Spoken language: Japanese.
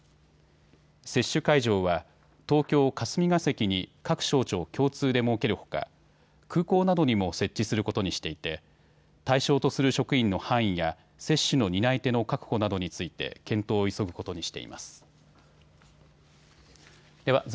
接種会場は東京霞が関に各省庁共通で設けるほか空港などにも設置することにしていて対象とする職員の範囲や接種の担い手の確保などについて検討を急ぐことにしています。